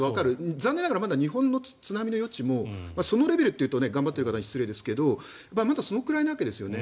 残念ながらまだ日本の津波の余地もそのレベルというと頑張っている方に失礼ですがそのくらいなわけですよね。